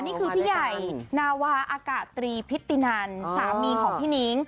นี่คือพี่ใหญ่นาวาอากาศตรีพิตินันสามีของพี่นิ้ง